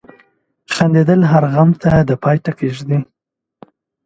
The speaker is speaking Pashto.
• خندېدل هر غم ته د پای ټکی ږدي.